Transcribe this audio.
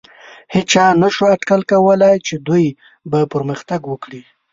هېچا نهشو اټکل کولی، چې دوی به پرمختګ وکړي.